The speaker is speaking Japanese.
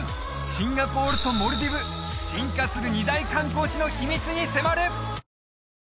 シンガポールとモルディブ進化する二大観光地の秘密に迫る！